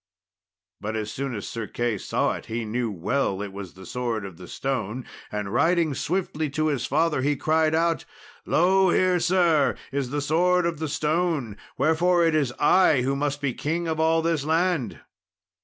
But as soon as Sir Key saw it he knew well it was the sword of the stone, and, riding swiftly to his father, he cried out, "Lo! here, sir, is the sword of the stone, wherefore it is I who must be king of all this land."